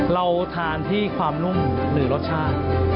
เราทานที่ความนุ่มหรือรสชาติ